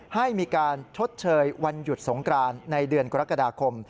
ให้มีการชดเชยวันหยุดสงกรานในเดือนกรกฎาคม